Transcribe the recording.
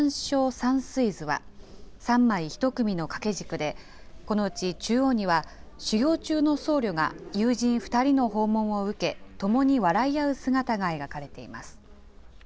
山水図は３枚１組の掛け軸で、このうち中央には、修行中の僧侶が友人２人の訪問を受け、ともに笑い合う姿が描かれています。